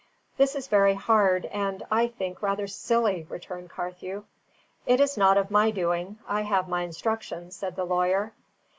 "This is very hard and, I think, rather silly," returned Carthew. "It is not of my doing. I have my instructions," said the lawyer.